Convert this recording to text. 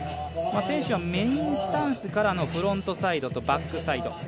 選手はメインスタンスからのフロントサイドとバックサイド。